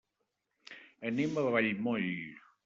Anem a Vallmoll.